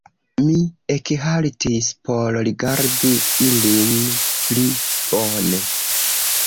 Mi ekhaltis por rigardi ilin pli bone.